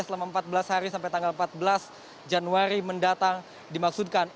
selama empat belas hari sampai tanggal empat belas januari mendatang dimaksudkan